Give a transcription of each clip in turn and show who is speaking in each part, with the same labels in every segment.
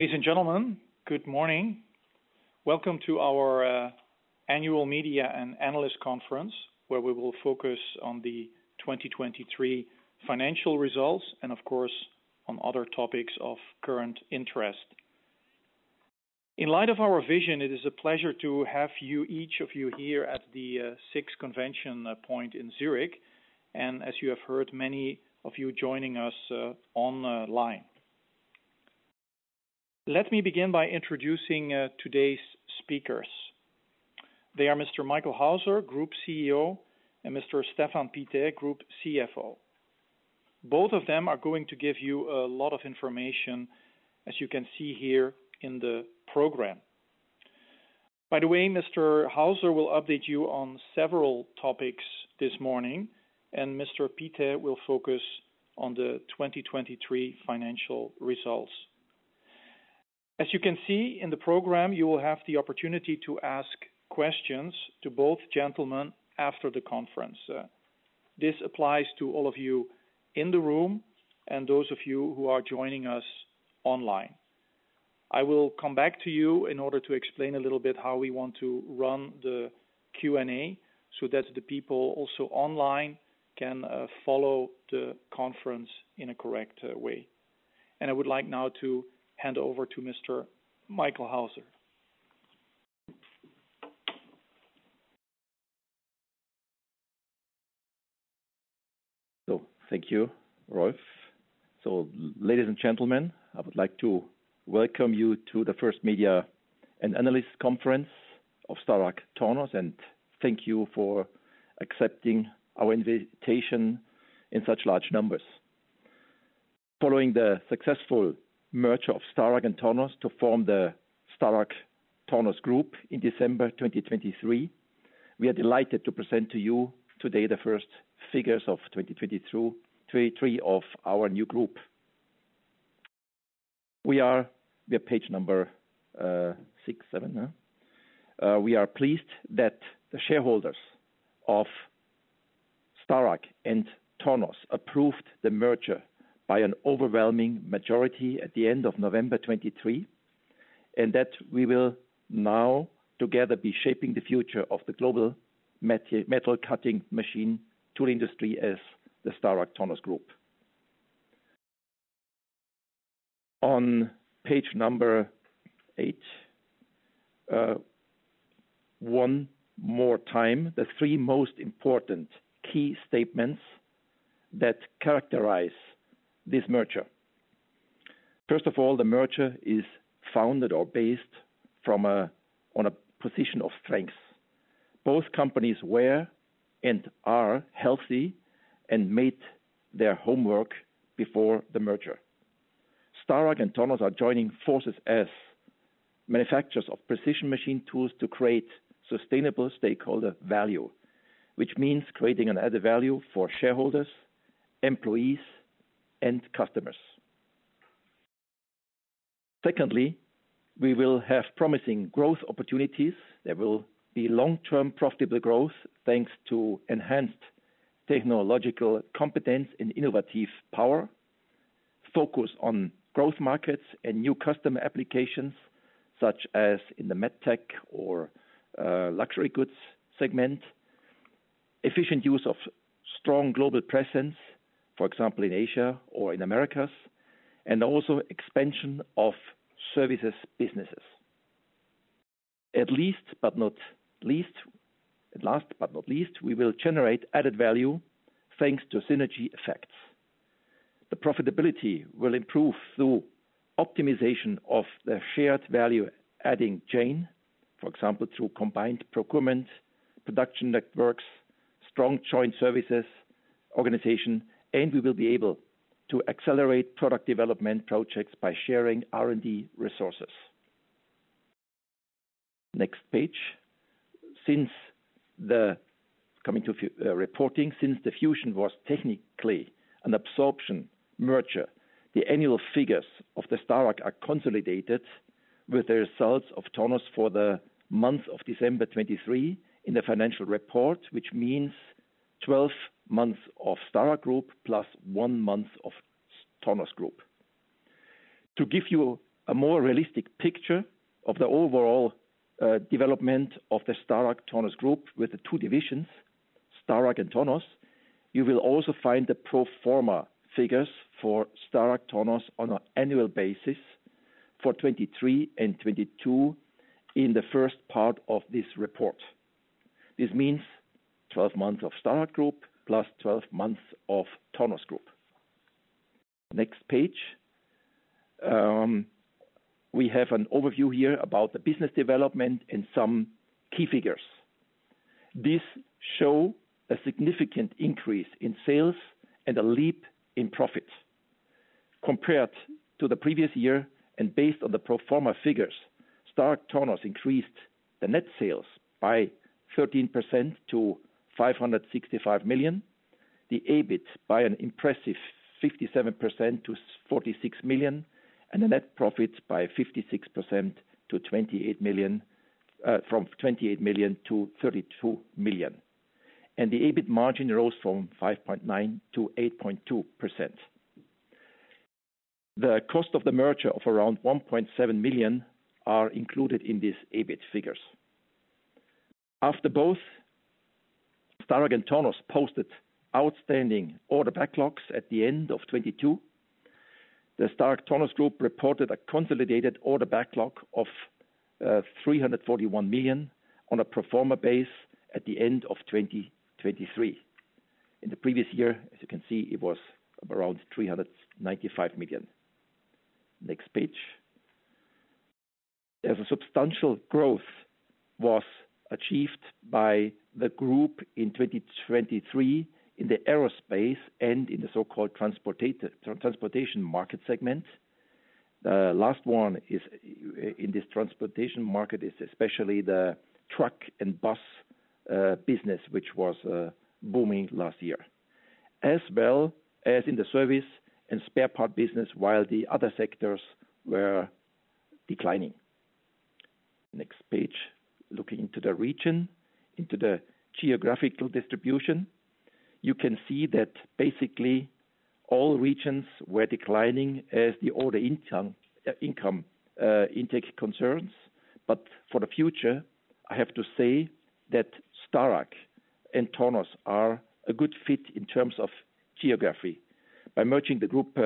Speaker 1: Ladies and gentlemen, good morning. Welcome to our annual Media and Analyst Conference, where we will focus on the 2023 financial results and of course, on other topics of current interest. In light of our vision, it is a pleasure to have you, each of you here at the SIX ConventionPoint in Zürich, and as you have heard, many of you joining us online. Let me begin by introducing today's speakers. They are Mr. Michael Hauser, Group CEO, and Mr. Stéphane Pittet, Group CFO. Both of them are going to give you a lot of information, as you can see here in the program. By the way, Mr. Hauser will update you on several topics this morning, and Mr. Pittet will focus on the 2023 financial results. As you can see in the program, you will have the opportunity to ask questions to both gentlemen after the conference. This applies to all of you in the room and those of you who are joining us online. I will come back to you in order to explain a little bit how we want to run the Q&A, so that the people also online can follow the conference in a correct way. I would like now to hand over to Mr. Michael Hauser.
Speaker 2: So thank you, Rolf. So ladies and gentlemen, I would like to welcome you to the first Media and Analyst Conference of StarragTornos, and thank you for accepting our invitation in such large numbers. Following the successful merger of Starrag and Tornos to form the StarragTornos Group in December 2023, we are delighted to present to you today the first figures of 2022, 2023 of our new group. We are page number 6, 7, yeah. We are pleased that the shareholders of Starrag and Tornos approved the merger by an overwhelming majority at the end of November 2023, and that we will now together be shaping the future of the global metal-cutting machine tool industry as the StarragTornos Group. On page number 8, one more time, the three most important key statements that characterize this merger. First of all, the merger is founded or based from a, on a position of strength. Both companies were and are healthy and made their homework before the merger. Starrag and Tornos are joining forces as manufacturers of precision machine tools to create sustainable stakeholder value, which means creating an added value for shareholders, employees, and customers. Secondly, we will have promising growth opportunities. There will be long-term profitable growth, thanks to enhanced technological competence and innovative power. Focus on growth markets and new customer applications, such as in the MedTech or Luxury Goods segment. Efficient use of strong global presence, for example, in Asia or in Americas, and also expansion of services businesses. At least, but not least, at last, but not least, we will generate added value thanks to synergy effects. The profitability will improve through optimization of the shared value-adding chain, for example, through combined procurement, production networks, strong joint services, organization, and we will be able to accelerate product development projects by sharing R&D resources. Next page. Since the coming to reporting, since the fusion was technically an absorption merger, the annual figures of the Starrag are consolidated with the results of Tornos for the month of December 2023 in the financial report, which means 12 months of Starrag Group, plus one month of Tornos Group. To give you a more realistic picture of the overall development of the StarragTornos Group with the two divisions, Starrag and Tornos, you will also find the pro forma figures for StarragTornos on an annual basis for 2023 and 2022 in the first part of this report. This means 12 months of Starrag Group, plus 12 months of Tornos Group. Next page. We have an overview here about the business development and some key figures. This shows a significant increase in sales and a leap in profits. Compared to the previous year and based on the pro forma figures, StarragTornos increased the net sales by 13% to 565 million, the EBIT by an impressive 57% to 46 million, and the net profits by 56% to 28 million, from 28 million to 32 million, and the EBIT margin rose from 5.9% to 8.2%. The cost of the merger of around 1.7 million are included in these EBIT figures. After both Starrag and Tornos posted outstanding order backlogs at the end of 2022, the StarragTornos Group reported a consolidated order backlog of 341 million on a pro forma basis at the end of 2023. In the previous year, as you can see, it was around 395 million. Next page. As a substantial growth was achieved by the group in 2023 in the aerospace and in the so-called Transportation market segment. Last one is, in this Transportation market, is especially the truck and bus business, which was booming last year, as well as in the service and spare part business, while the other sectors were declining. Next page. Looking into the region, into the geographical distribution, you can see that basically all regions were declining as the order intake concerns. But for the future, I have to say that Starrag and Tornos are a good fit in terms of geography. By merging, the group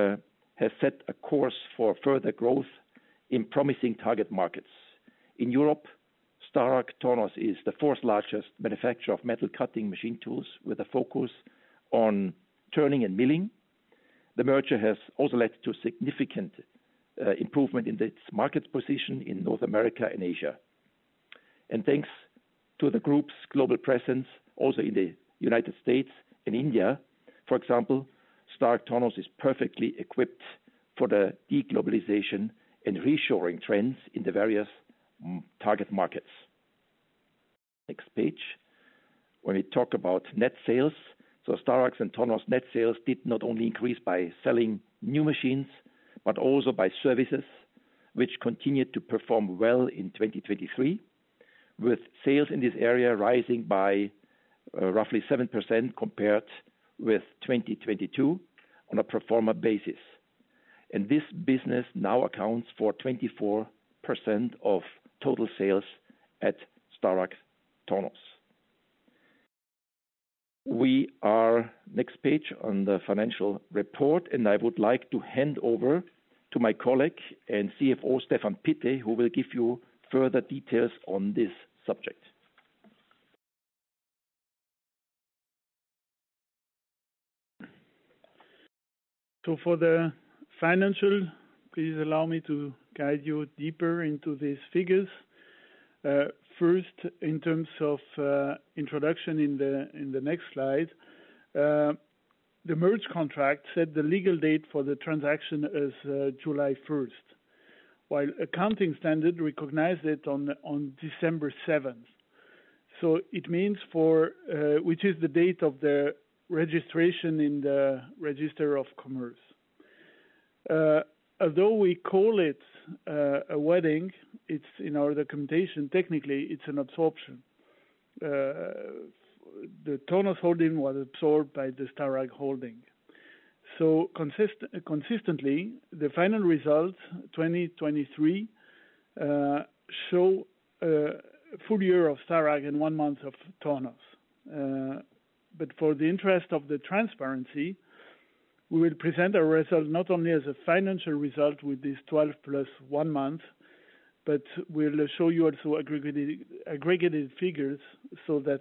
Speaker 2: has set a course for further growth in promising target markets. In Europe, StarragTornos is the fourth largest manufacturer of metal-cutting machine tools, with a focus on turning and milling. The merger has also led to significant improvement in its market position in North America and Asia. And thanks to the group's global presence, also in the United States and India, for example, StarragTornos is perfectly equipped for the de-globalization and reshoring trends in the various target markets. Next page. When we talk about net sales, so Starrag and Tornos net sales did not only increase by selling new machines, but also by services which continued to perform well in 2023, with sales in this area rising by roughly 7% compared with 2022 on a pro forma basis. And this business now accounts for 24% of total sales at StarragTornos. We are, next page, on the financial report, and I would like to hand over to my colleague and CFO, Stéphane Pittet, who will give you further details on this subject.
Speaker 3: So for the financial, please allow me to guide you deeper into these figures. First, in terms of introduction in the, in the next slide, the merger contract said the legal date for the transaction is July 1st, while accounting standard recognized it on December 7th. So it means for, which is the date of the registration in the Register of Commerce. Although we call it a wedding, it's in our documentation, technically, it's an absorption. The Tornos holding was absorbed by the Starrag holding. So consistently, the final results, 2023, show full year of Starrag in one month of Tornos. But for the interest of the transparency, we will present our results not only as a financial result with these 12+1 month, but we'll show you also aggregated figures so that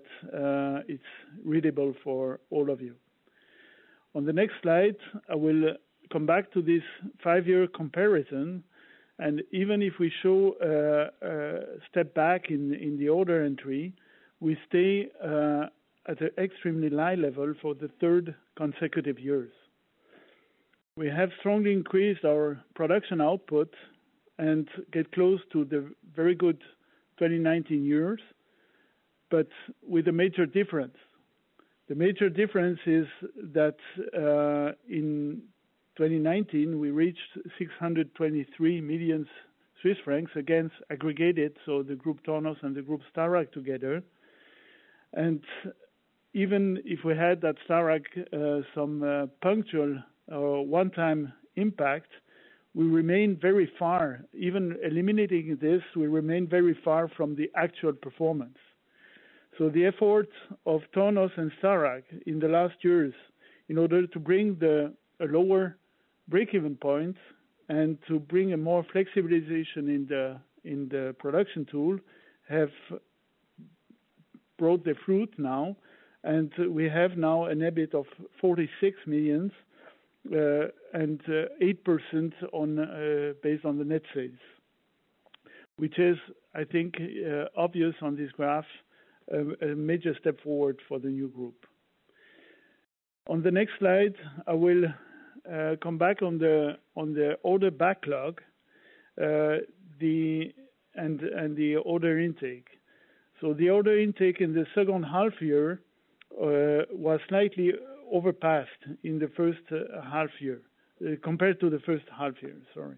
Speaker 3: it's readable for all of you. On the next slide, I will come back to this five-year comparison. Even if we show a step back in the order entry, we stay at an extremely high level for the third consecutive years. We have strongly increased our production output and get close to the very good 2019 years, but with a major difference. The major difference is that in 2019, we reached 623 million Swiss francs against aggregated, so the Group Tornos and the Group Starrag together. Even if we had that Starrag some punctual one-time impact, we remain very far. Even eliminating this, we remain very far from the actual performance. So the efforts of Tornos and Starrag in the last years, in order to bring a lower breakeven point and to bring a more flexibilization in the production tool, have brought the fruit now. And we have now an EBIT of 46 million and 8% based on the net sales, which is, I think, obvious on this graph, a major step forward for the new group. On the next slide, I will come back on the order backlog and the order intake. So the order intake in the second half year was slightly overpassed in the first half year. Compared to the first half year, sorry.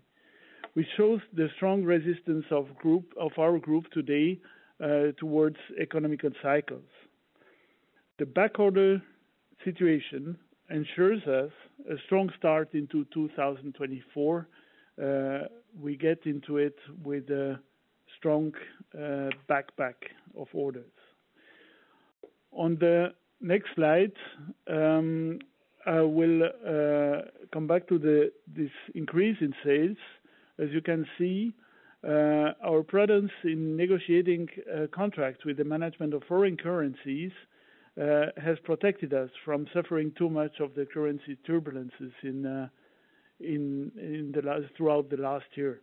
Speaker 3: which shows the strong resistance of the group, of our group today, to economic cycles. The backlog situation ensures us a strong start into 2024. We get into it with a strong backlog of orders. On the next slide, I will come back to this increase in sales. As you can see, our prudence in negotiating contracts with the management of foreign currencies has protected us from suffering too much of the currency turbulences throughout the last year.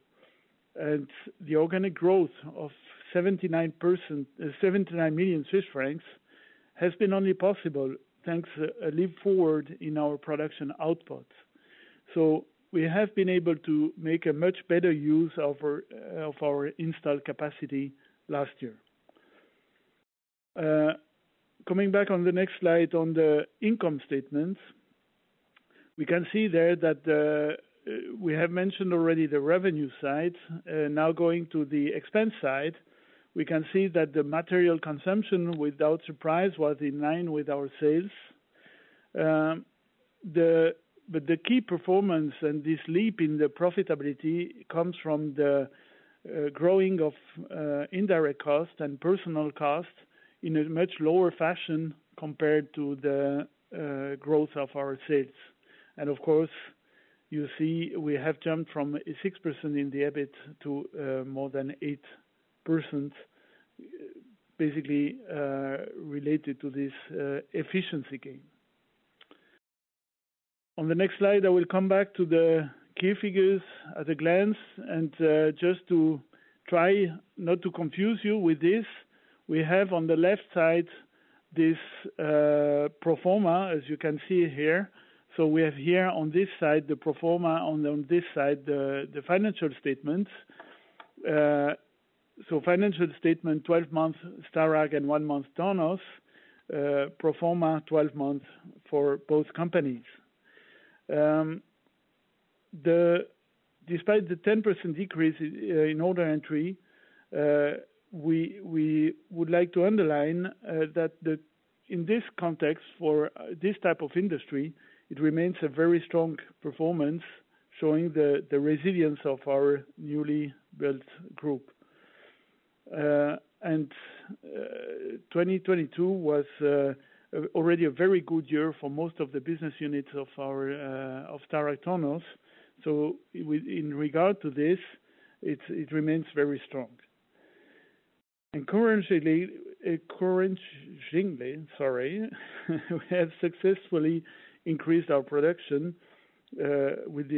Speaker 3: And the organic growth of 79 million Swiss francs has been only possible, thanks to a leap forward in our production output. So we have been able to make a much better use of our installed capacity last year. Coming back on the next slide on the income statement, we can see there that we have mentioned already the revenue side. Now going to the expense side, we can see that the material consumption, without surprise, was in line with our sales. But the key performance and this leap in the profitability comes from the growing of indirect costs and personal costs in a much lower fashion compared to the growth of our sales. And of course, you see, we have jumped from 6% in the EBIT to more than 8%, basically, related to this efficiency gain. On the next slide, I will come back to the key figures at a glance, and just to try not to confuse you with this, we have on the left side, this pro forma, as you can see here. So we have here on this side, the pro forma, on this side, the financial statements. So financial statement, 12 months, Starrag and 1 month Tornos, pro forma, 12 months for both companies. Despite the 10% decrease in order entry, we would like to underline that in this context for this type of industry, it remains a very strong performance, showing the resilience of our newly built group. And 2022 was already a very good year for most of the business units of our StarragTornos. So within regard to this, it remains very strong. And currently, sorry, we have successfully increased our production with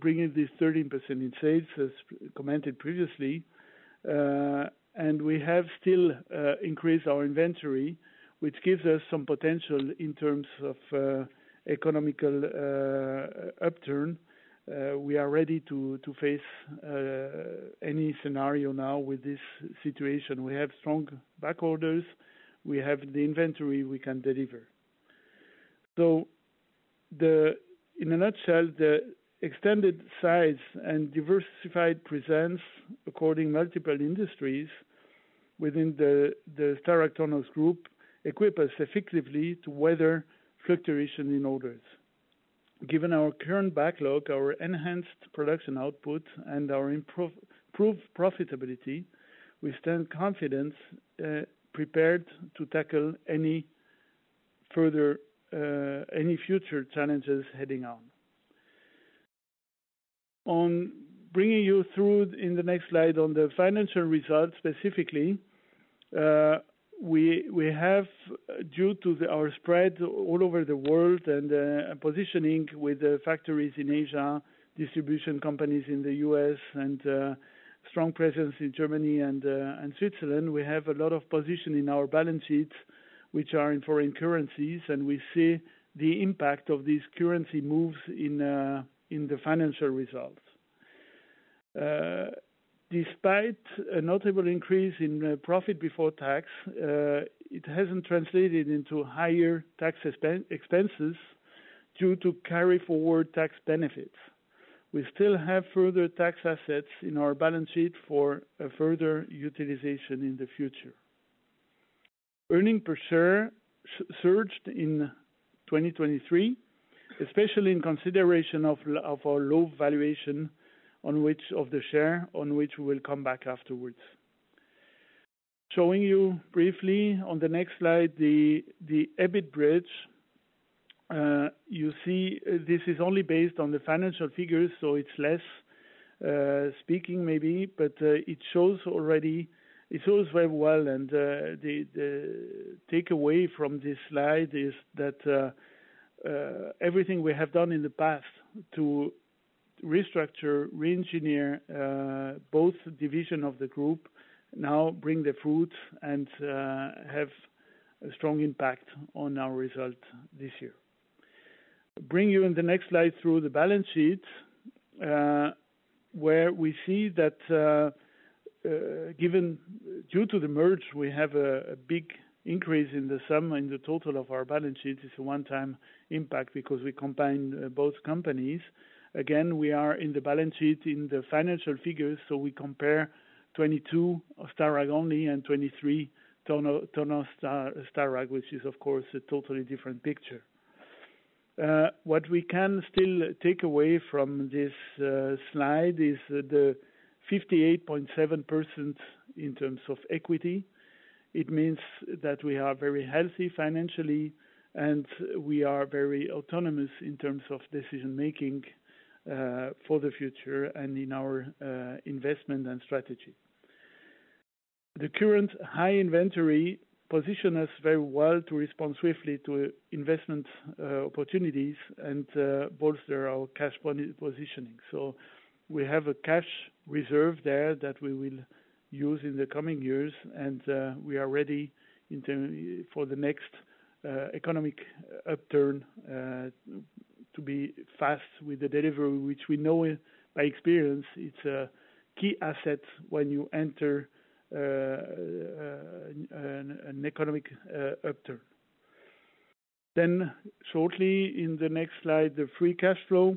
Speaker 3: bringing this 13% in sales, as commented previously. And we have still increased our inventory, which gives us some potential in terms of economic upturn. We are ready to face any scenario now with this situation. We have strong back orders. We have the inventory we can deliver. So, in a nutshell, the extended size and diversified presence across multiple industries within the StarragTornos Group equip us effectively to weather fluctuation in orders. Given our current backlog, our enhanced production output, and our improved profitability, we stand confident, prepared to tackle any future challenges head on. On bringing you through in the next slide on the financial results specifically, we have, due to our spread all over the world and positioning with the factories in Asia, distribution companies in the US and strong presence in Germany and Switzerland, we have a lot of positions in our balance sheets which are in foreign currencies, and we see the impact of these currency moves in the financial results. Despite a notable increase in profit before tax, it hasn't translated into higher tax expenses due to carry forward tax benefits. We still have further tax assets in our balance sheet for a further utilization in the future. Earnings per share surged in 2023, especially in consideration of our low valuation, on which of the share, on which we will come back afterwards. Showing you briefly on the next slide, the EBIT bridge. You see, this is only based on the financial figures, so it's less speaking, maybe, but it shows already. It shows very well, and the takeaway from this slide is that everything we have done in the past to restructure, re-engineer both division of the group now bring the fruit and have a strong impact on our result this year. Bring you in the next slide through the balance sheet, where we see that given due to the merge, we have a big increase in the sum, in the total of our balance sheet. It's a one-time impact because we combined both companies. Again, we are in the balance sheet in the financial figures, so we compare 2022 of Starrag only, and 2023 Tornos, Starrag, which is, of course, a totally different picture. What we can still take away from this slide is the 58.7% in terms of equity. It means that we are very healthy financially, and we are very autonomous in terms of decision-making for the future and in our investment and strategy. The current high inventory position us very well to respond swiftly to investment opportunities and bolster our cash positioning. So we have a cash reserve there that we will use in the coming years, and we are ready in terms for the next economic upturn to be fast with the delivery, which we know by experience. It's a key asset when you enter an economic upturn. Then, shortly in the next slide, the free cash flow,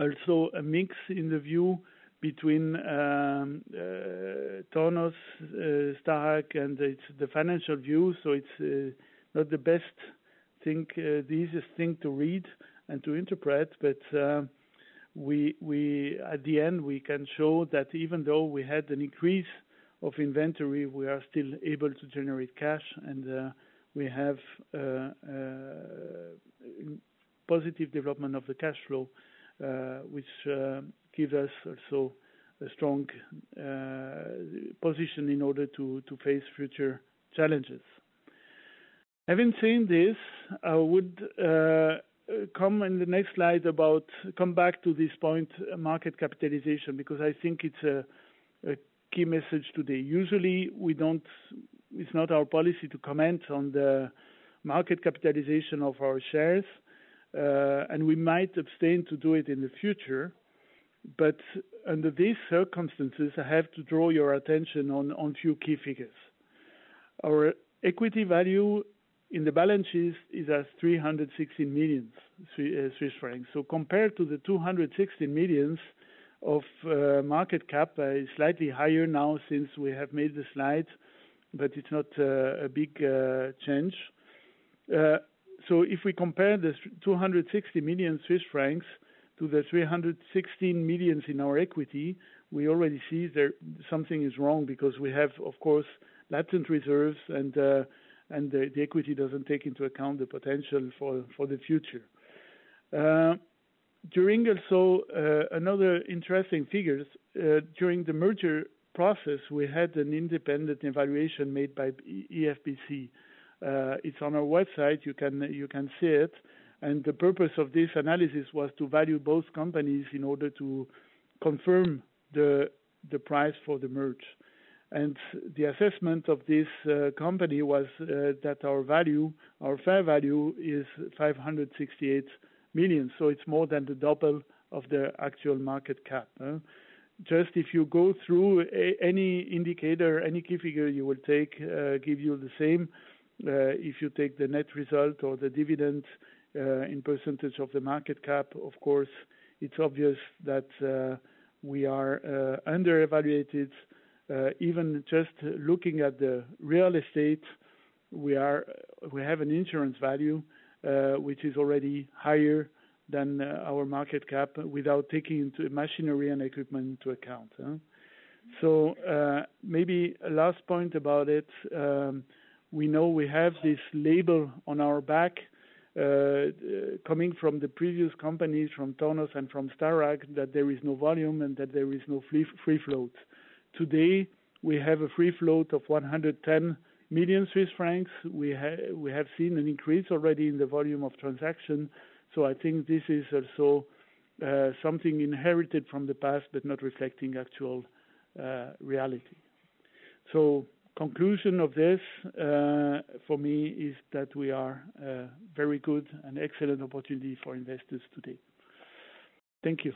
Speaker 3: also a mix in the view between Tornos, Starrag, and it's the financial view, so it's not the best thing, the easiest thing to read and to interpret. But we at the end, we can show that even though we had an increase of inventory, we are still able to generate cash and we have positive development of the cash flow, which gives us also a strong position in order to face future challenges. Having seen this, I would come in the next slide about come back to this point, market capitalization, because I think it's a key message today. Usually, we don't. It's not our policy to comment on the market capitalization of our shares, and we might abstain to do it in the future. But under these circumstances, I have to draw your attention on few key figures. Our equity value in the balance sheet is at 360 million Swiss francs. So compared to the 260 million market cap, is slightly higher now since we have made the slide, but it's not a big change. So if we compare the 260 million Swiss francs CHF to the 316 million in our equity, we already see that something is wrong because we have, of course, latent reserves, and the equity doesn't take into account the potential for the future. During also another interesting figures, during the merger process, we had an independent evaluation made by IFBC. It's on our website. You can see it. And the purpose of this analysis was to value both companies in order to confirm the price for the merger. The assessment of this company was that our value, our fair value, is 568 million. So it's more than the double of the actual market cap. Just if you go through any indicator, any key figure you will take, give you the same, if you take the net result or the dividend, in percentage of the market cap, of course, it's obvious that we are underevaluated. Even just looking at the real estate, we have an insurance value, which is already higher than our market cap, without taking into machinery and equipment into account. So, maybe last point about it, we know we have this label on our back, coming from the previous companies, from Tornos and from Starrag, that there is no volume and that there is no free float. Today, we have a free float of 110 million Swiss francs. We have seen an increase already in the volume of transaction, so I think this is also something inherited from the past, but not reflecting actual reality. So conclusion of this, for me, is that we are very good and excellent opportunity for investors today. Thank you.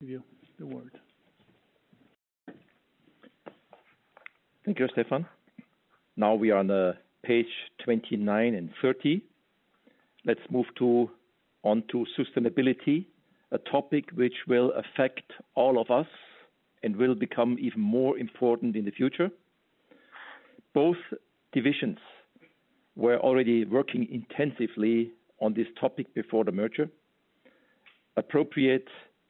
Speaker 3: Give you the word.
Speaker 2: Thank you, Stéphane. Now we are on the page 29 and 30. Let's move onto sustainability, a topic which will affect all of us and will become even more important in the future. Both divisions were already working intensively on this topic before the merger. Appropriate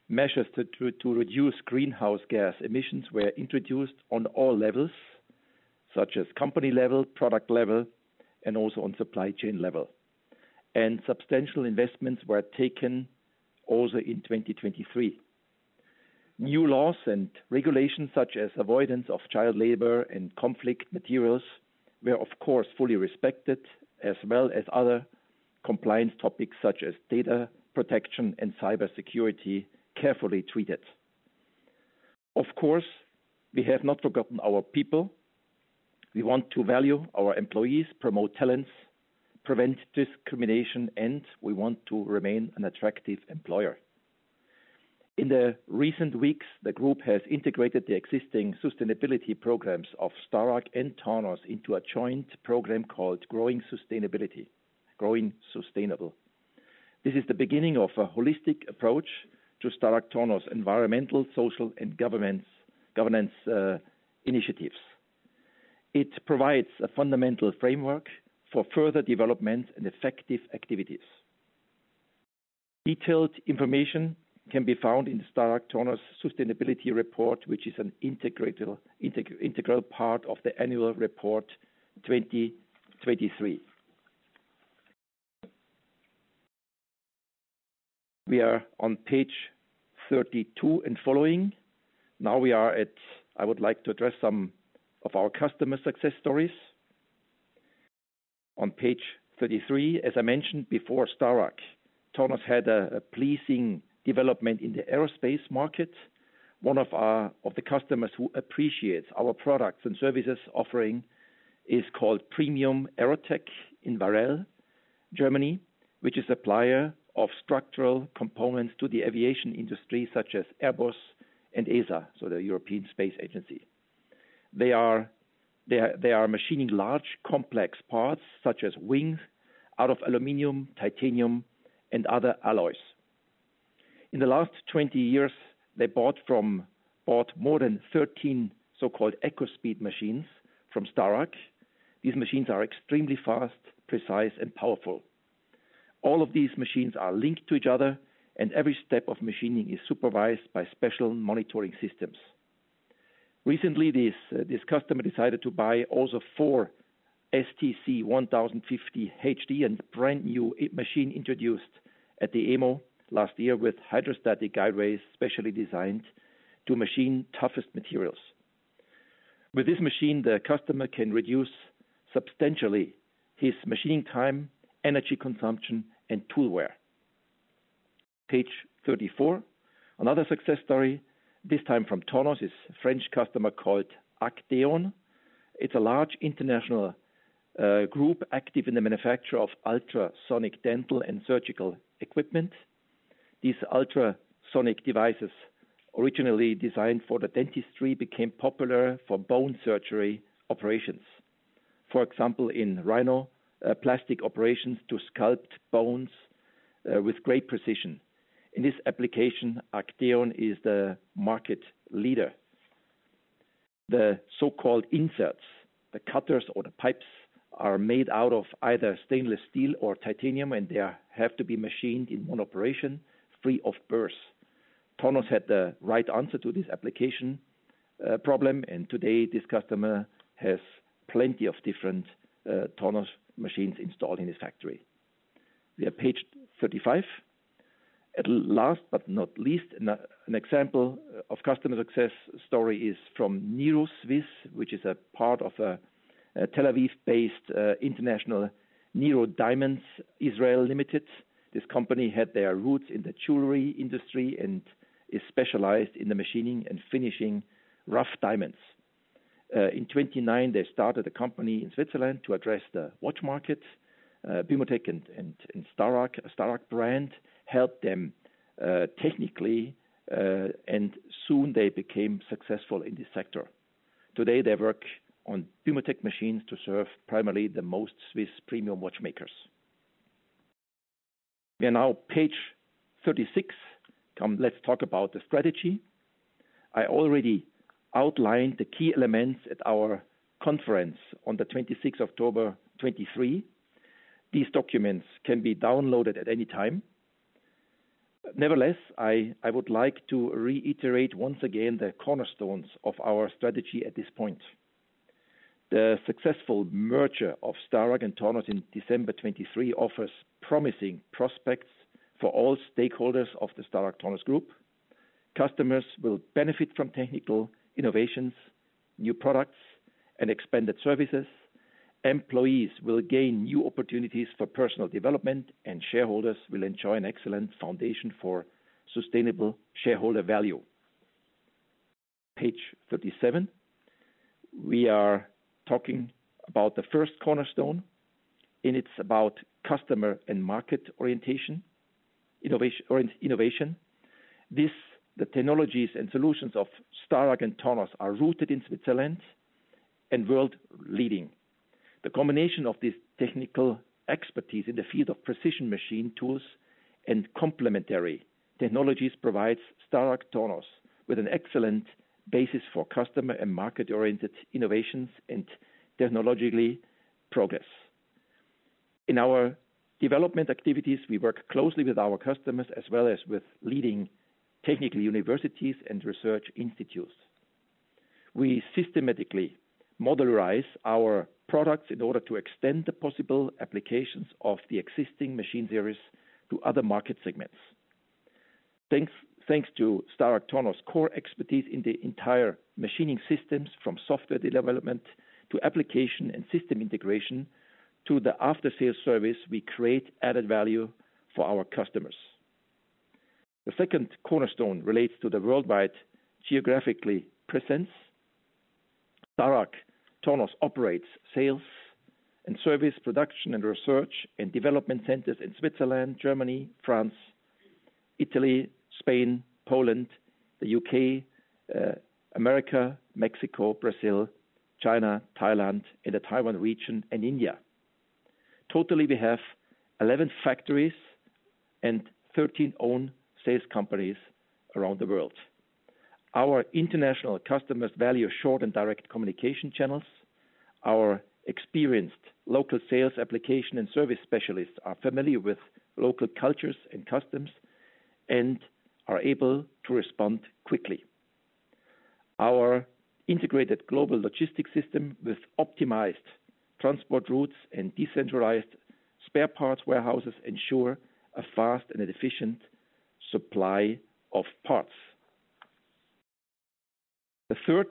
Speaker 2: measures to reduce greenhouse gas emissions were introduced on all levels, such as company level, product level, and also on supply chain level. Substantial investments were taken also in 2023. New laws and regulations, such as avoidance of child labor and conflict materials, were of course fully respected, as well as other compliance topics such as data protection and cybersecurity, carefully treated. Of course, we have not forgotten our people... We want to value our employees, promote talents, prevent discrimination, and we want to remain an attractive employer. In the recent weeks, the group has integrated the existing sustainability programs of Starrag and Tornos into a joint program called Growing Sustainable. This is the beginning of a holistic approach to StarragTornos environmental, social, and governance initiatives. It provides a fundamental framework for further development and effective activities. Detailed information can be found in the StarragTornos sustainability report, which is an integral part of the Annual Report 2023. We are on page 32 and following. Now, I would like to address some of our customer success stories. On page 33, as I mentioned before, StarragTornos had a pleasing development in the aerospace market. One of our customers who appreciates our products and services offering is called Premium AEROTEC in Varel, Germany, which is a supplier of structural components to the aviation industry such as Airbus and ESA, so the European Space Agency. They are machining large, complex parts, such as wings, out of aluminum, titanium, and other alloys. In the last 20 years, they bought more than 13 so-called ECOSPEED machines from Starrag. These machines are extremely fast, precise, and powerful. All of these machines are linked to each other, and every step of machining is supervised by special monitoring systems. Recently, this customer decided to buy also four STC 1050 HD, a brand-new machine introduced at the EMO last year with hydrostatic guideways, specially designed to machine toughest materials. With this machine, the customer can reduce substantially his machining time, energy consumption, and tool wear. Page 34. Another success story, this time from Tornos, is a French customer called ACTEON. It's a large international group, active in the manufacture of ultrasonic dental and surgical equipment. These ultrasonic devices, originally designed for the dentistry, became popular for bone surgery operations. For example, in rhinoplastic operations to sculpt bones with great precision. In this application, ACTEON is the market leader. The so-called inserts, the cutters or the tips, are made out of either stainless steel or titanium, and they have to be machined in one operation, free of burr. Tornos had the right answer to this application problem, and today this customer has plenty of different Tornos machines installed in his factory. We are page 35. At last, but not least, an example of customer success story is from Niru Swiss, which is a part of a Tel Aviv-based international Niru Diamonds Israel Ltd. This company had their roots in the jewelry industry and is specialized in the machining and finishing rough diamonds. In 1929, they started a company in Switzerland to address the watch market. Bumotec and Starrag brand helped them technically, and soon they became successful in this sector. Today, they work on Bumotec machines to serve primarily the most Swiss premium watchmakers. We are now page 36. Come, let's talk about the strategy. I already outlined the key elements at our conference on the 26th October 2023. These documents can be downloaded at any time. Nevertheless, I would like to reiterate once again the cornerstones of our strategy at this point. The successful merger of Starrag and Tornos in December 2023 offers promising prospects for all stakeholders of the StarragTornos Group. Customers will benefit from technical innovations, new products, and expanded services. Employees will gain new opportunities for personal development, and shareholders will enjoy an excellent foundation for sustainable shareholder value. Page 37. We are talking about the first cornerstone, and it's about customer and market orientation, innovation. This, the technologies and solutions of Starrag and Tornos are Rooted in Switzerland and world leading. The combination of this technical expertise in the field of precision machine tools and complementary technologies provides StarragTornos with an excellent basis for customer and market-oriented innovations and technological progress. In our development activities, we work closely with our customers, as well as with leading technical universities and research institutes. We systematically modularize our products in order to extend the possible applications of the existing machine series to other market segments. Thanks to StarragTornos' core expertise in the entire machining systems, from software development to application and system integration, to the after-sales service, we create added value for our customers.... The second cornerstone relates to the worldwide geographical presence. StarragTornos operates sales and service, production and research, and development centers in Switzerland, Germany, France, Italy, Spain, Poland, the U.K., America, Mexico, Brazil, China, Thailand, and the Taiwan region, and India. Totally, we have 11 factories and 13 own sales companies around the world. Our international customers value short and direct communication channels. Our experienced local sales application and service specialists are familiar with local cultures and customs, and are able to respond quickly. Our integrated global logistics system, with optimized transport routes and decentralized spare parts warehouses, ensure a fast and efficient supply of parts. The third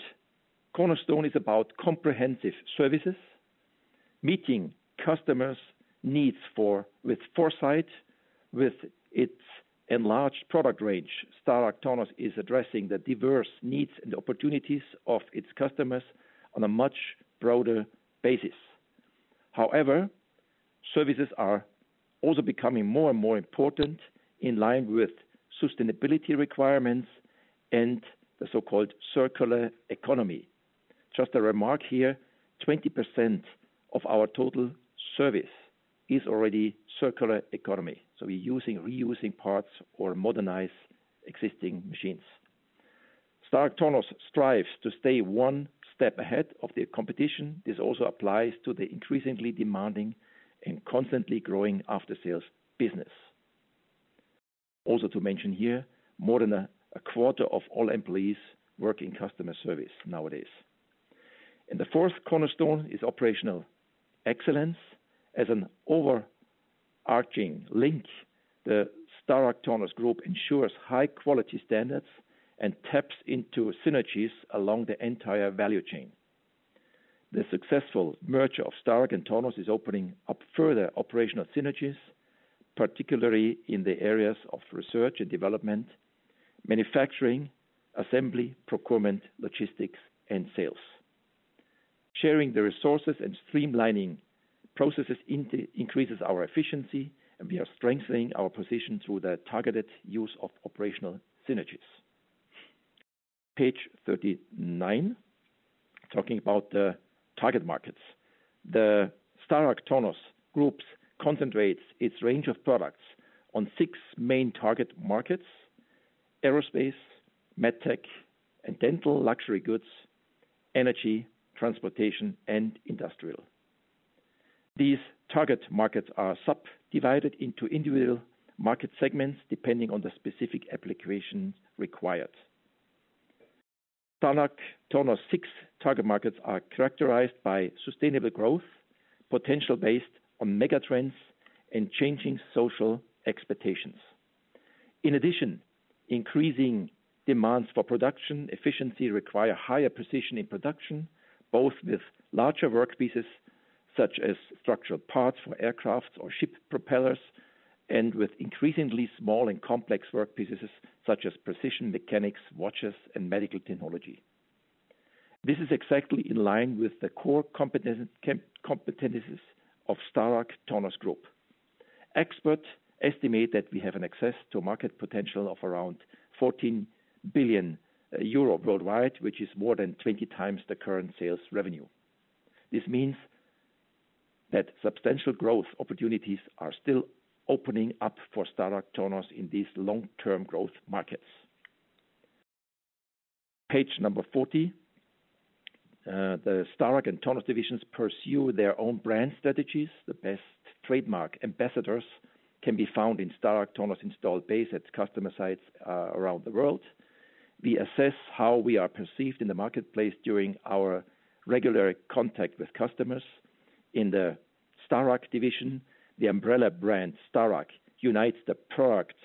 Speaker 2: cornerstone is about comprehensive services, meeting customers' needs with foresight, with its enlarged product range, StarragTornos is addressing the diverse needs and opportunities of its customers on a much broader basis. However, services are also becoming more and more important in line with sustainability requirements and the so-called circular economy. Just a remark here, 20% of our total service is already circular economy, so we're using, reusing parts or modernize existing machines. StarragTornos strives to stay one step ahead of the competition. This also applies to the increasingly demanding and constantly growing after sales business. Also, to mention here, more than a quarter of all employees work in customer service nowadays. The fourth cornerstone is operational excellence. As an overarching link, the StarragTornos Group ensures high quality standards and taps into synergies along the entire value chain. The successful merger of Starrag and Tornos is opening up further operational synergies, particularly in the areas of research and development, manufacturing, assembly, procurement, logistics, and sales. Sharing the resources and streamlining processes increases our efficiency, and we are strengthening our position through the targeted use of operational synergies. Page 39, talking about the target markets. The StarragTornos Group concentrates its range of products on six main target markets: Aerospace, MedTech & Dental, Luxury Goods, Energy, Transportation, and Industrial. These target markets are subdivided into individual market segments, depending on the specific application required. StarragTornos's six target markets are characterized by sustainable growth, potential based on mega trends, and changing social expectations. In addition, increasing demands for production efficiency require higher precision in production, both with larger workpieces, such as structural parts for aircraft or ship propellers, and with increasingly small and complex workpieces, such as precision mechanics, watches, and medical technology. This is exactly in line with the core competencies of StarragTornos Group. Experts estimate that we have an access to market potential of around 14 billion euro worldwide, which is more than 20x the current sales revenue. This means that substantial growth opportunities are still opening up for StarragTornos in these long-term growth markets. Page number 40. The Starrag and Tornos divisions pursue their own brand strategies. The best trademark ambassadors can be found in StarragTornos installed base at customer sites around the world. We assess how we are perceived in the marketplace during our regular contact with customers. In the Starrag division, the umbrella brand, Starrag, unites the product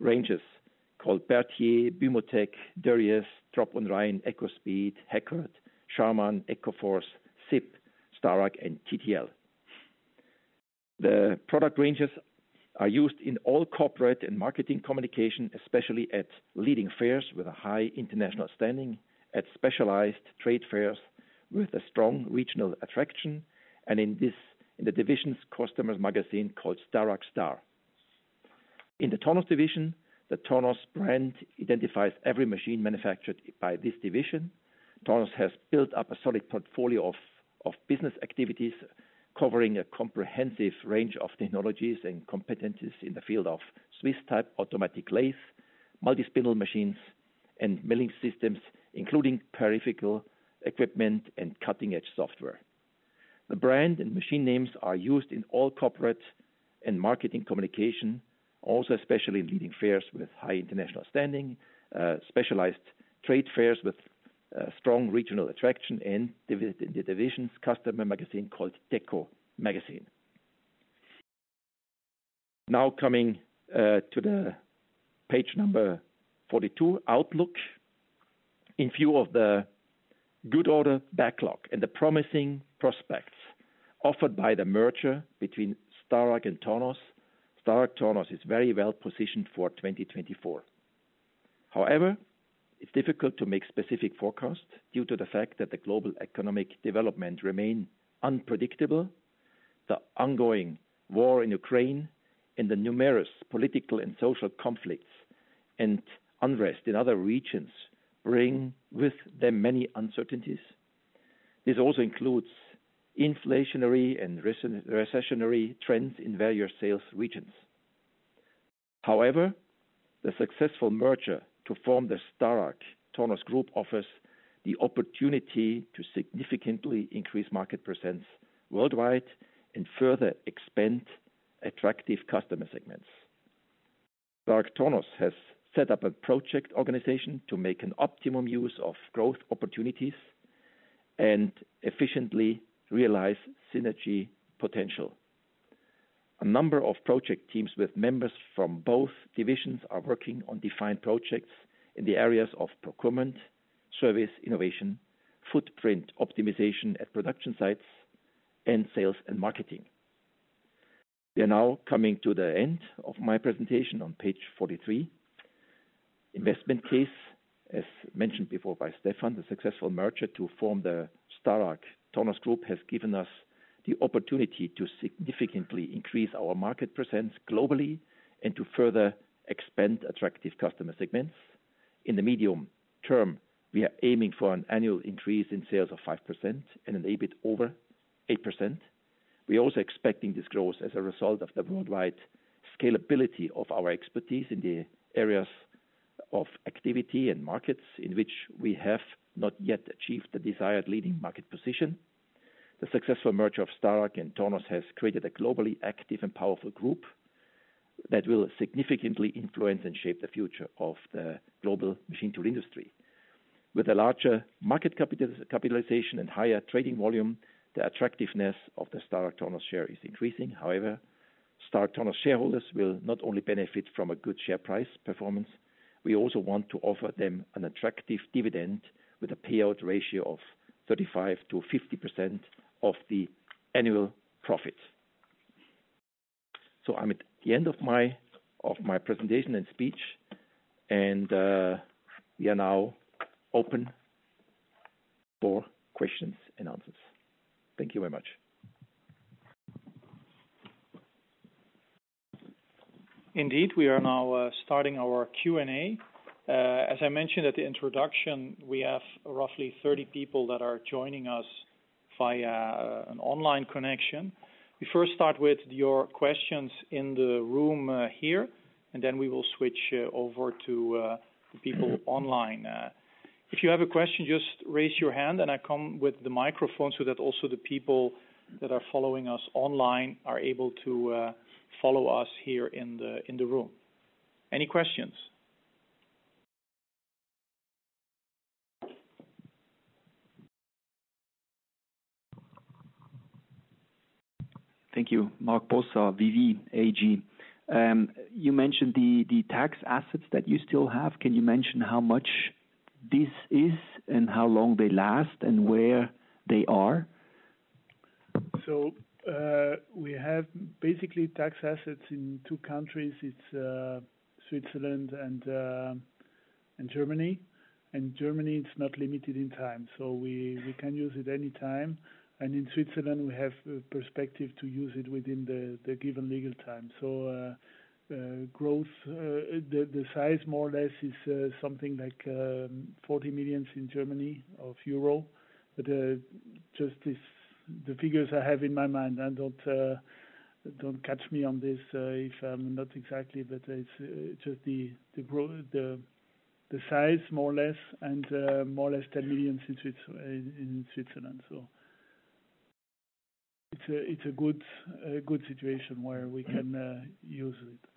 Speaker 2: ranges called Berthiez, Bumotec, Dörries, Droop+Rein, ECOSPEED, Heckert, Scharmann/Ecoforce, SIP, Starrag, and TTL. The product ranges are used in all corporate and marketing communication, especially at leading fairs with a high international standing, at specialized trade fairs with a strong regional attraction, and in the division's customers' magazine called Starrag Star. In the Tornos division, the Tornos brand identifies every machine manufactured by this division. Tornos has built up a solid portfolio of business activities, covering a comprehensive range of technologies and competencies in the field of Swiss-type automatic lathes, multi-spindle machines, and milling systems, including peripheral equipment and cutting-edge software. The brand and machine names are used in all corporate and marketing communication, also, especially in leading fairs with high international standing, specialized trade fairs with strong regional attraction, and in the division's customer magazine called Decomagazine. Now coming to the page number 42, Outlook. In view of the good order backlog and the promising prospects offered by the merger between Starrag and Tornos, StarragTornos is very well positioned for 2024. However, it's difficult to make specific forecasts due to the fact that the global economic development remain unpredictable. The ongoing war in Ukraine and the numerous political and social conflicts and unrest in other regions bring with them many uncertainties. This also includes inflationary and recent recessionary trends in value sales regions. However, the successful merger to form the StarragTornos Group offers the opportunity to significantly increase market presence worldwide and further expand attractive customer segments. StarragTornos has set up a project organization to make an optimum use of growth opportunities and efficiently realize synergy potential. A number of project teams with members from both divisions are working on defined projects in the areas of procurement, service, innovation, footprint optimization at production sites, and sales and marketing. We are now coming to the end of my presentation on page 43. Investment case, as mentioned before by Stéphane, the successful merger to form the StarragTornos Group, has given us the opportunity to significantly increase our market presence globally and to further expand attractive customer segments. In the medium term, we are aiming for an annual increase in sales of 5% and an EBIT over 8%. We're also expecting this growth as a result of the worldwide scalability of our expertise in the areas of activity and markets, in which we have not yet achieved the desired leading market position. The successful merger of Starrag and Tornos has created a globally active and powerful group, that will significantly influence and shape the future of the global machine tool industry. With a larger market capitalization and higher trading volume, the attractiveness of the StarragTornos share is increasing. However, StarragTornos shareholders will not only benefit from a good share price performance, we also want to offer them an attractive dividend with a payout ratio of 35%-50% of the annual profits. So I'm at the end of my presentation and speech, and we are now open for questions and answers. Thank you very much.
Speaker 1: Indeed, we are now starting our Q&A. As I mentioned at the introduction, we have roughly 30 people that are joining us via an online connection. We first start with your questions in the room here, and then we will switch over to the people online. If you have a question, just raise your hand and I come with the microphone so that also the people that are following us online are able to follow us here in the room. Any questions?
Speaker 4: Thank you. Marc Possa, VV AG. You mentioned the tax assets that you still have. Can you mention how much this is, and how long they last, and where they are?
Speaker 3: So, we have basically tax assets in two countries. It's Switzerland and Germany. In Germany, it's not limited in time, so we can use it any time. And in Switzerland, we have a perspective to use it within the given legal time. So, the size more or less is something like 40 million in Germany. But, just this—the figures I have in my mind, I don't catch me on this, if I'm not exactly, but it's just the size more or less, and more or less 10 million in Switzerland. So it's a good situation where we can use it.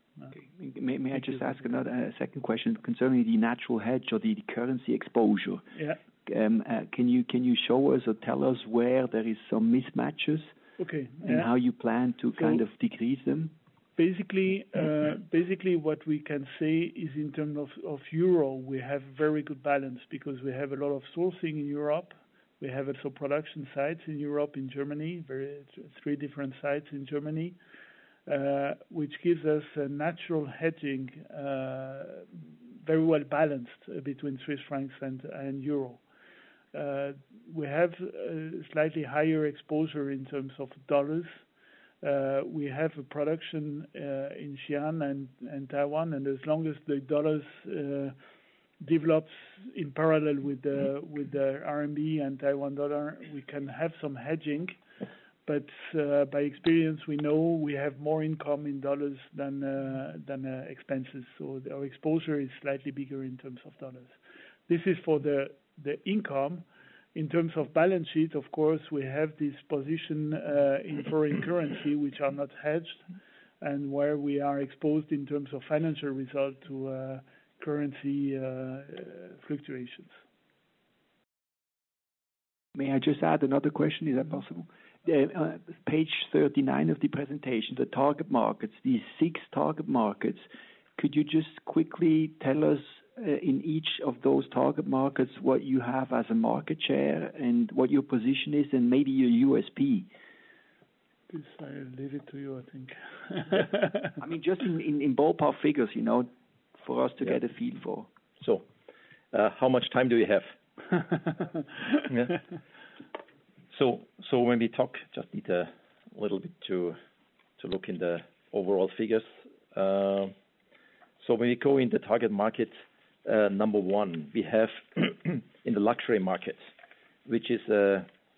Speaker 4: Okay. May I just ask another second question concerning the natural hedge or the currency exposure?
Speaker 3: Yeah.
Speaker 4: Can you show us or tell us where there is some mismatches?
Speaker 3: Okay, yeah.
Speaker 4: How you plan to kind of decrease them?
Speaker 3: Basically, basically, what we can say is in terms of euro, we have very good balance because we have a lot of sourcing in Europe. We have also production sites in Europe, in Germany, three different sites in Germany, which gives us a natural hedging, very well balanced between Swiss francs and euro. We have a slightly higher exposure in terms of dollars. We have a production in Xi'an and Taiwan, and as long as the dollars develops in parallel with the RMB and Taiwan dollar, we can have some hedging. But by experience, we know we have more income in dollars than expenses, so our exposure is slightly bigger in terms of dollars. This is for the income. In terms of balance sheet, of course, we have this position in foreign currency, which are not hedged, and where we are exposed in terms of financial result to currency fluctuations.
Speaker 4: ...May I just add another question, is that possible? Page 39 of the presentation, the target markets, these six target markets, could you just quickly tell us, in each of those target markets, what you have as a market share and what your position is, and maybe your USP?
Speaker 3: This, I leave it to you, I think.
Speaker 4: I mean, just in ballpark figures, you know, for us to get a feel for.
Speaker 2: So, how much time do we have? So when we talk, just need a little bit to look in the overall figures. So when we go in the target market, number one, we have, in the luxury market, which is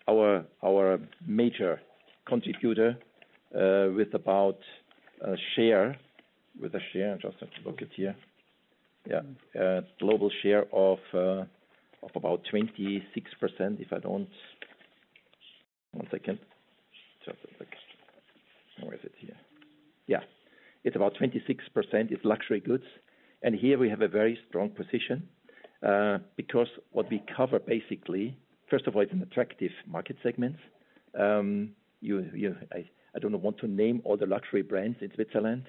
Speaker 2: our major contributor, with about a share, I just have to look at it here. Yeah. Global share of about 26%, if I don't. One second. Just, where is it? Here. Yeah, it's about 26%, it's Luxury Goods. And here we have a very strong position, because what we cover, basically, first of all, it's an attractive market segment. You, I don't know, want to name all the luxury brands in Switzerland,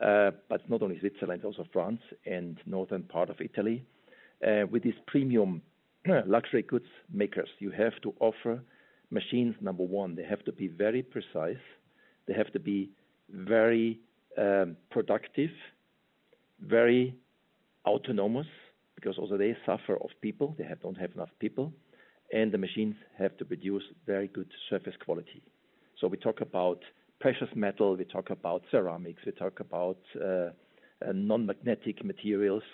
Speaker 2: but not only Switzerland, also France and northern part of Italy. With these premium Luxury Goods makers, you have to offer machines. Number one, they have to be very precise. They have to be very productive, very autonomous, because also they suffer of people, they don't have enough people, and the machines have to produce very good surface quality. So we talk about precious metal, we talk about ceramics, we talk about non-magnetic materials,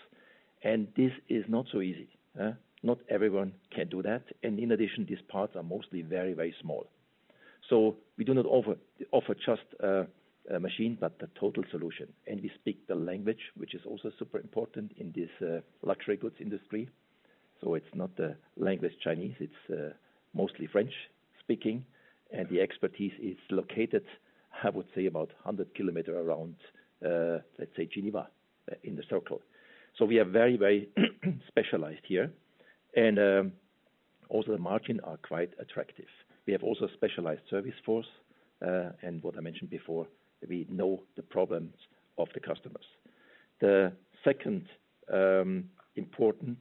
Speaker 2: and this is not so easy. Not everyone can do that, and in addition, these parts are mostly very, very small. So we do not offer just a machine, but the total solution, and we speak the language, which is also super important in this Luxury Goods industry. So it's not the language Chinese, it's mostly French speaking, and the expertise is located, I would say, about 100 km around, let's say Geneva, in the circle. So we are very specialized here, and also the margins are quite attractive. We have also specialized service force, and what I mentioned before, we know the problems of the customers. The second important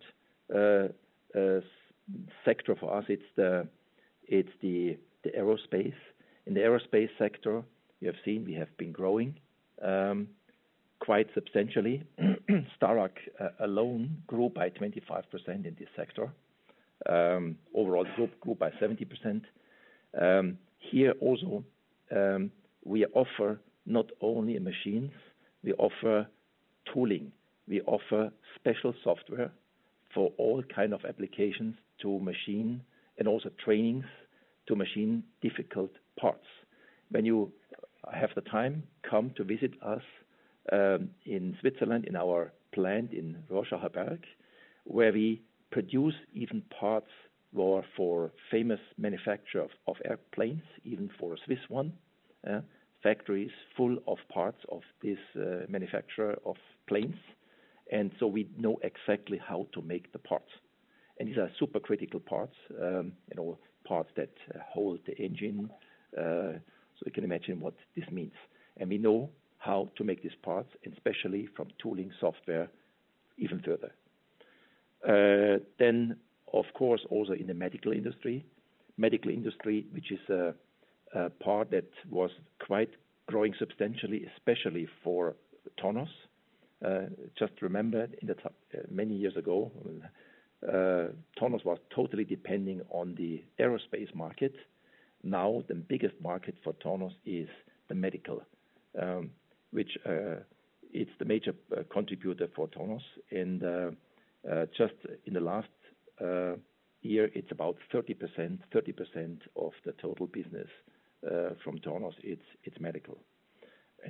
Speaker 2: sector for us, it's the Aerospace. In the Aerospace sector, we have seen, we have been growing quite substantially. Starrag alone grew by 25% in this sector. Overall group grew by 70%. Here also, we offer not only machines, we offer tooling, we offer special software for all kind of applications to machine, and also trainings to machine difficult parts. When you have the time, come to visit us in Switzerland, in our plant in Rorschacherberg, where we produce even parts more for famous manufacturer of airplanes, even for a Swiss one. Factories full of parts of this manufacturer of planes, and so we know exactly how to make the parts. And these are super critical parts, you know, parts that hold the engine, so you can imagine what this means. And we know how to make these parts, and especially from tooling software even further. Then, of course, also in the medical industry. Medical industry, which is a part that was quite growing substantially, especially for Tornos. Just remember, in the many years ago, Tornos was totally depending on the aerospace market. Now, the biggest market for Tornos is the medical, which it's the major contributor for Tornos. Just in the last year, it's about 30%. 30% of the total business from Tornos, it's medical.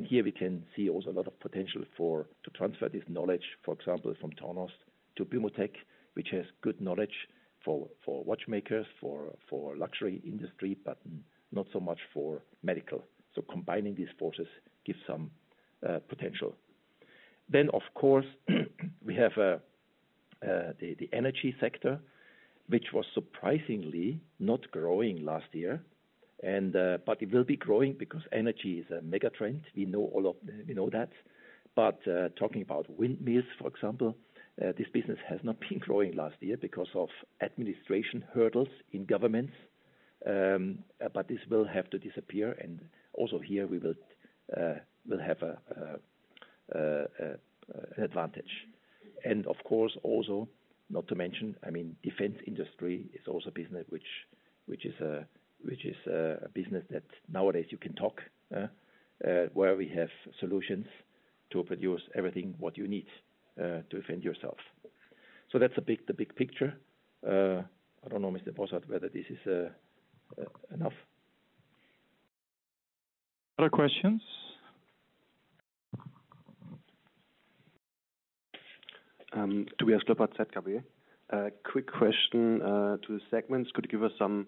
Speaker 2: Here we can see also a lot of potential for to transfer this knowledge, for example, from Tornos to Bumotec, which has good knowledge for watchmakers, for luxury industry, but not so much for medical. So combining these forces gives some potential. Of course, we have the energy sector, which was surprisingly not growing last year. But it will be growing because energy is a mega trend. We know that. But talking about windmills, for example, this business has not been growing last year because of administrative hurdles in governments. But this will have to disappear, and also here we will have an advantage. And of course, also, not to mention, I mean, defense industry is also a business which is a business that nowadays you can talk where we have solutions to produce everything what you need to defend yourself. So that's the big picture. I don't know, Mr. Possa, whether this is enough.
Speaker 1: Other questions?
Speaker 5: Tobias Klöpper at ZKB. A quick question to the segments. Could you give us some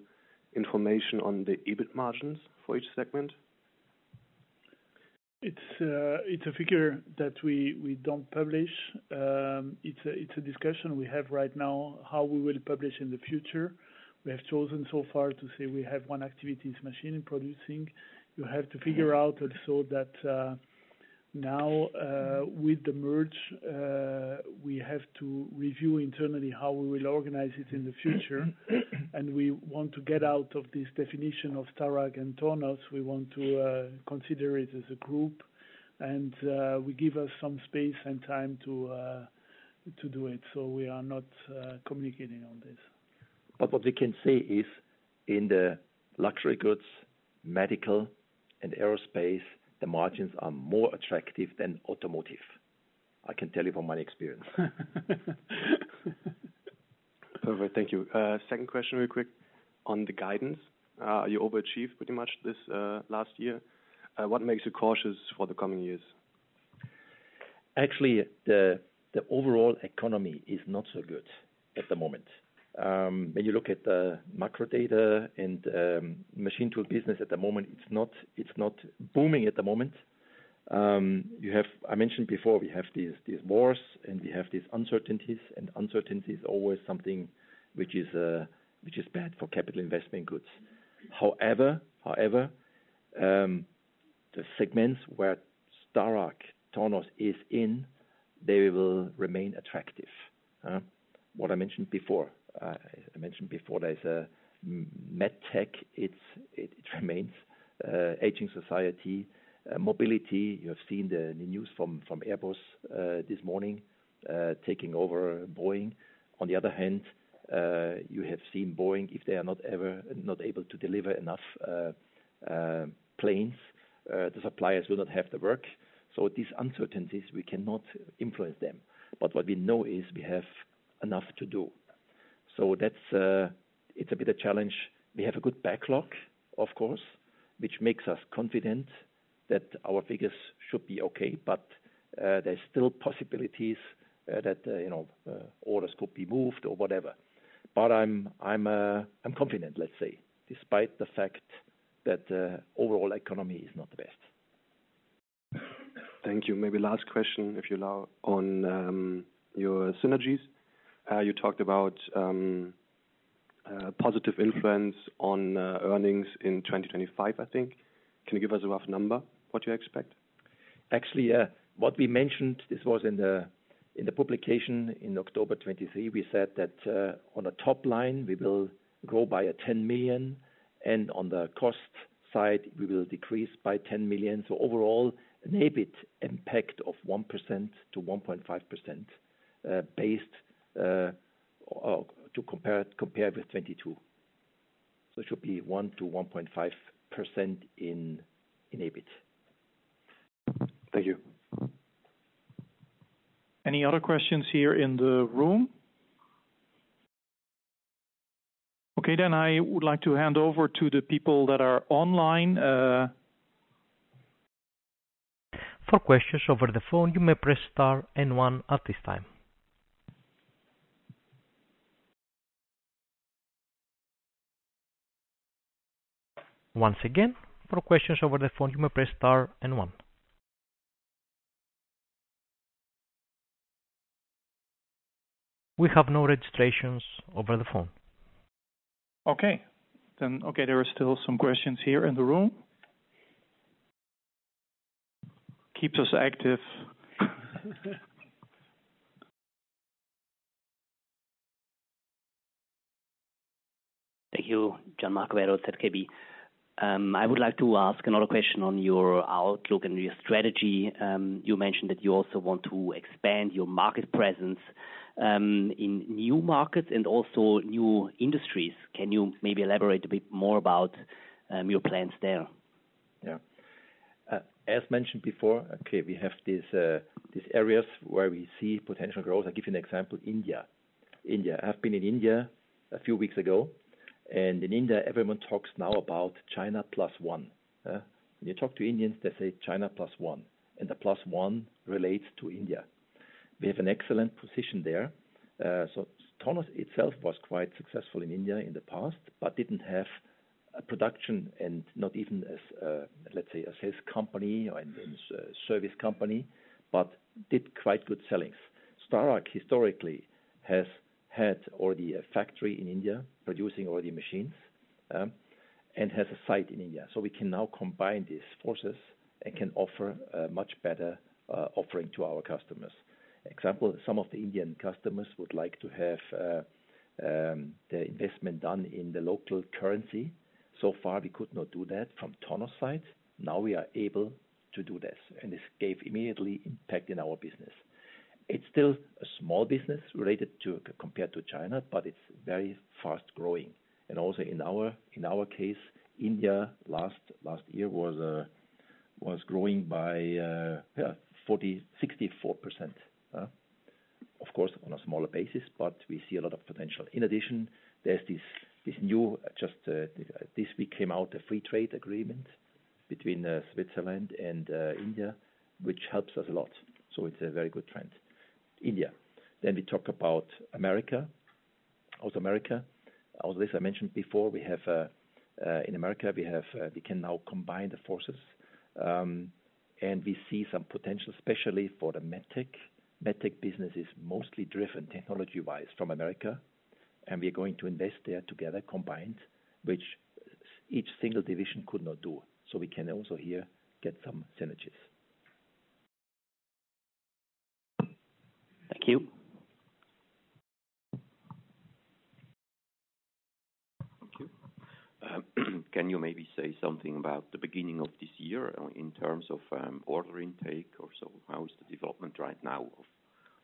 Speaker 5: information on the EBIT margins for each segment?...
Speaker 3: It's a figure that we don't publish. It's a discussion we have right now, how we will publish in the future. We have chosen so far to say we have one activity is machine producing. You have to figure out also that, now, with the merger, we have to review internally how we will organize it in the future. And we want to get out of this definition of Starrag and Tornos. We want to consider it as a group, and we give us some space and time to do it. So we are not communicating on this.
Speaker 2: But what we can say is, in the Luxury Goods, Medical, and Aerospace, the margins are more attractive than Automotive. I can tell you from my experience.
Speaker 5: Perfect. Thank you. Second question, real quick. On the guidance, you overachieved pretty much this last year. What makes you cautious for the coming years?
Speaker 2: Actually, the overall economy is not so good at the moment. When you look at the macro data and machine tool business at the moment, it's not booming at the moment. You have, I mentioned before, we have these wars, and we have these uncertainties, and uncertainty is always something which is bad for capital investment goods. However, the segments where StarragTornos is in, they will remain attractive. What I mentioned before, there's med tech. It remains aging society. Mobility, you have seen the news from Airbus this morning taking over Boeing. On the other hand, you have seen Boeing, if they are not able to deliver enough planes, the suppliers will not have the work. These uncertainties, we cannot influence them, but what we know is we have enough to do. So that's a bit of a challenge. We have a good backlog, of course, which makes us confident that our figures should be okay, but there's still possibilities that you know orders could be moved or whatever. But I'm confident, let's say, despite the fact that the overall economy is not the best.
Speaker 5: Thank you. Maybe last question, if you allow, on your synergies. You talked about positive influence on earnings in 2025, I think. Can you give us a rough number, what you expect?
Speaker 2: Actually, what we mentioned, this was in the publication in October 2023. We said that on the top line, we will grow by 10 million, and on the cost side, we will decrease by 10 million. So overall, an EBIT impact of 1%-1.5%, based or to compare with 2022. So it should be 1%-1.5% in EBIT.
Speaker 5: Thank you.
Speaker 1: Any other questions here in the room? Okay, then I would like to hand over to the people that are online.
Speaker 6: For questions over the phone, you may press star and one at this time. Once again, for questions over the phone, you may press star and one. We have no registrations over the phone.
Speaker 1: Okay. Then, okay, there are still some questions here in the room. Keeps us active.
Speaker 7: Thank you. Gian Marco Werro with ZKB. I would like to ask another question on your outlook and your strategy. You mentioned that you also want to expand your market presence, in new markets and also new industries. Can you maybe elaborate a bit more about, your plans there?
Speaker 2: Yeah. As mentioned before, okay, we have these areas where we see potential growth. I'll give you an example, India. India. I've been in India a few weeks ago, and in India, everyone talks now about China Plus One. When you talk to Indians, they say China Plus One, and the plus one relates to India. We have an excellent position there. So Tornos itself was quite successful in India in the past, but didn't have a production and not even as, let's say, a sales company and service company, but did quite good sales. Starrag historically has had already a factory in India, producing already machines, and has a site in India. So we can now combine these forces and can offer a much better offering to our customers. Example, some of the Indian customers would like to have their investment done in the local currency. So far, we could not do that from Tornos side. Now we are able to do this, and this gave immediately impact in our business. It's still a small business related compared to China, but it's very fast-growing. And also in our case, India, last year was growing by 64%. Of course, on a smaller basis, but we see a lot of potential. In addition, there's this new just this week came out, a free trade agreement between Switzerland and India, which helps us a lot. So it's a very good trend. India. Then we talk about America. Also, America, as I mentioned before, we have, in America, we have, we can now combine the forces. And we see some potential, especially for the MedTech. MedTech business is mostly driven technology-wise from America, and we are going to invest there together combined, which each single division could not do. So we can also here get some synergies.
Speaker 1: Thank you.
Speaker 8: Thank you. Can you maybe say something about the beginning of this year in terms of, order intake or so? How is the development right now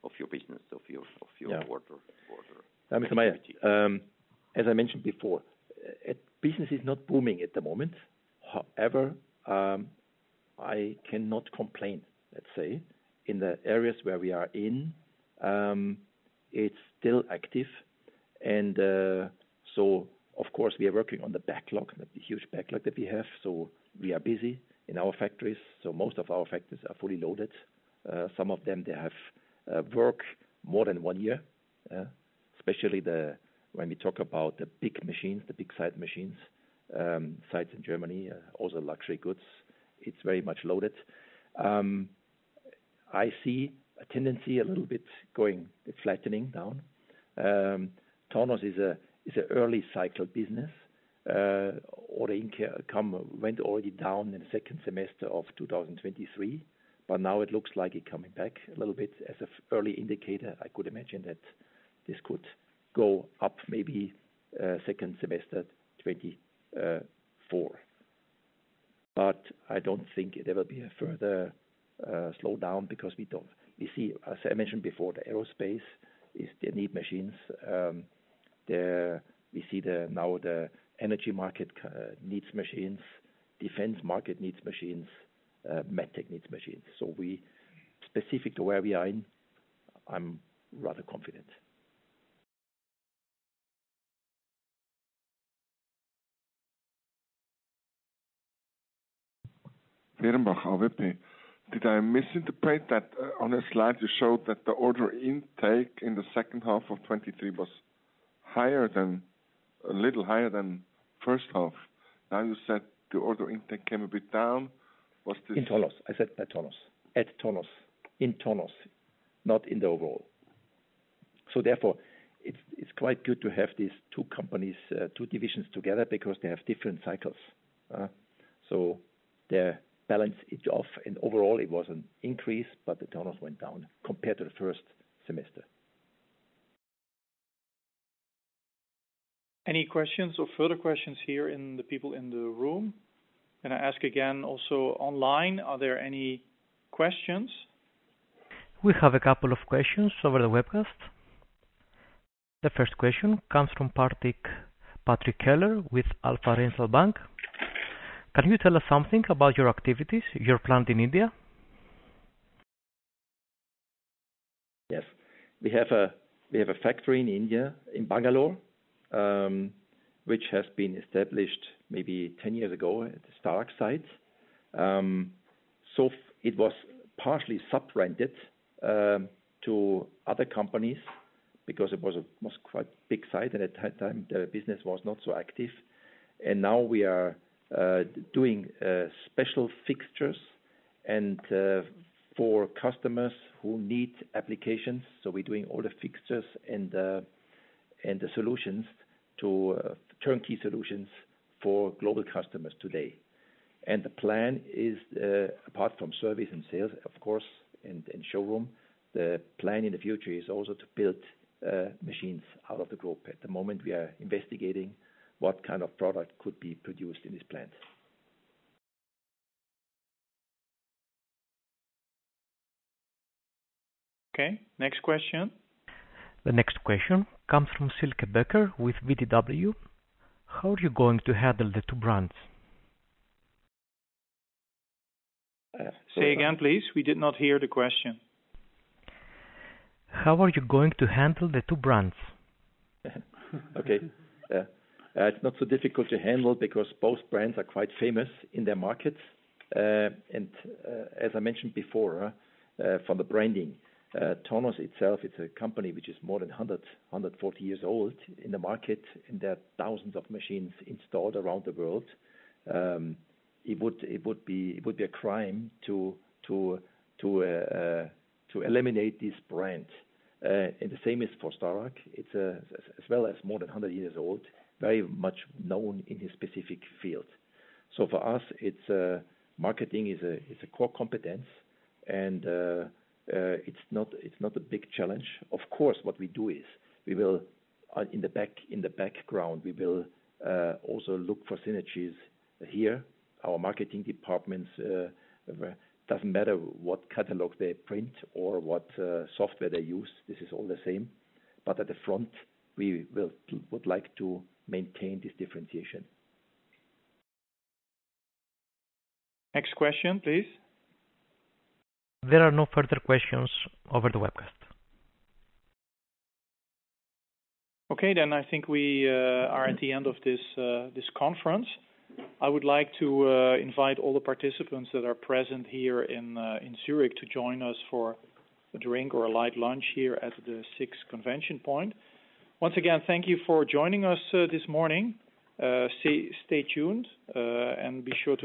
Speaker 8: of your business, of your-
Speaker 2: Yeah.
Speaker 8: Of your order, order?
Speaker 2: As I mentioned before, business is not booming at the moment. However, I cannot complain, let's say. In the areas where we are in, it's still active and, so of course we are working on the backlog, the huge backlog that we have, so we are busy in our factories. So most of our factories are fully loaded. Some of them, they have work more than one year. Especially, when we talk about the big size machines, sites in Germany, also Luxury Goods, it's very much loaded. I see a tendency a little bit going, flattening down. Tornos is a early cycle business. Order intake went already down in the second semester of 2023, but now it looks like it coming back a little bit. As an early indicator, I could imagine that this could go up maybe second semester 2024. But I don't think there will be a further slowdown because we don't see. As I mentioned before, the aerospace, they need machines. We see now the energy market needs machines, defense market needs machines, MedTech needs machines. So specific to where we are in, I'm rather confident.
Speaker 9: Did I misinterpret that on a slide you showed that the order intake in the second half of 2023 was higher than, a little higher than first half? Now, you said the order intake came a bit down. Was this-
Speaker 2: In Tornos. I said at Tornos. At Tornos. In Tornos, not in the overall. So therefore, it's, it's quite good to have these two companies, two divisions together, because they have different cycles. So they balance it off, and overall it was an increase, but the Tornos went down compared to the first semester.
Speaker 1: Any questions or further questions here in the people in the room? Can I ask again, also online, are there any questions?
Speaker 6: We have a couple of questions over the webcast. The first question comes from Patrick, Patrick Keller with Alpha RHEINTAL Bank. Can you tell us something about your activities, your plant in India?
Speaker 2: Yes. We have a factory in India, in Bangalore, which has been established maybe 10 years ago at the Starrag site. So it was partially sub-rented to other companies because it was quite a big site, and at that time, the business was not so active. And now we are doing special fixtures and for customers who need applications. So we're doing all the fixtures and the solutions to turnkey solutions for global customers today. And the plan is, apart from service and sales, of course, and showroom, the plan in the future is also to build machines out of the group. At the moment we are investigating what kind of product could be produced in this plant.
Speaker 1: Okay, next question.
Speaker 6: The next question comes from Sylke Becker with VDW. How are you going to handle the two brands?
Speaker 1: Say again, please. We did not hear the question.
Speaker 6: How are you going to handle the two brands?
Speaker 2: Okay. It's not so difficult to handle because both brands are quite famous in their markets. And, as I mentioned before, from the branding, Tornos itself, it's a company which is more than 140 years old in the market, and there are thousands of machines installed around the world. It would be a crime to eliminate this brand. And the same is for Starrag. It's as well more than 100 years old, very much known in his specific field. So for us, it's marketing is a core competence, and it's not a big challenge. Of course, what we do is we will in the background also look for synergies here. Our marketing departments, doesn't matter what catalog they print or what software they use, this is all the same. But at the front, we would like to maintain this differentiation.
Speaker 1: Next question, please.
Speaker 6: There are no further questions over the webcast.
Speaker 1: Okay, then I think we are at the end of this conference. I would like to invite all the participants that are present here in Zürich to join us for a drink or a light lunch here at the SIX ConventionPoint. Once again, thank you for joining us this morning. Stay tuned, and be sure to-